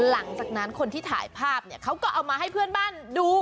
หลังจากนั้นคนที่ถ่ายภาพเนี่ยเขาก็เอามาให้เพื่อนบ้านดู